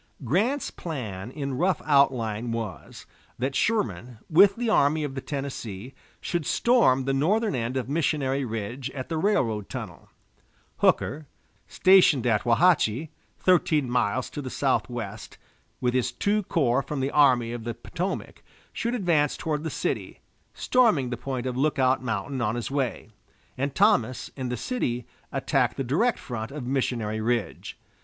Grant's plan in rough outline was, that Sherman, with the Army of the Tennessee, should storm the northern end of Missionary Ridge at the railroad tunnel; Hooker, stationed at Wauhatchie, thirteen miles to the southwest with his two corps from the Army of the Potomac, should advance toward the city, storming the point of Lookout Mountain on his way; and Thomas, in the city, attack the direct front of Missionary Ridge.